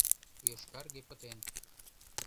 Йошкарге пытен.